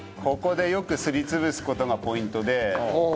ここでよくすり潰す事がポイントで。